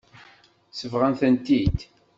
Sebɣen-tent-id.